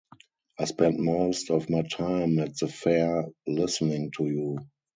I spent most of my time at the fair listening to you.